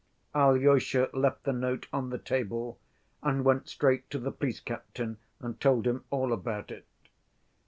Alyosha left the note on the table and went straight to the police captain and told him all about it.